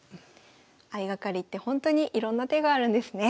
相掛かりってほんとにいろんな手があるんですね。